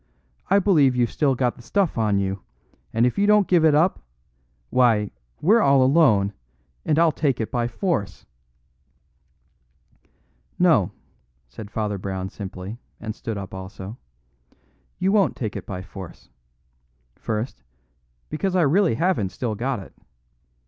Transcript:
I believe you've still got the stuff on you, and if you don't give it up why, we're all alone, and I'll take it by force!" "No," said Father Brown simply, and stood up also, "you won't take it by force. First, because I really haven't still got it.